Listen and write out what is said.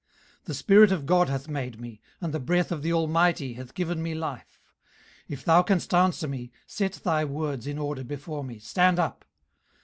18:033:004 The spirit of God hath made me, and the breath of the Almighty hath given me life. 18:033:005 If thou canst answer me, set thy words in order before me, stand up.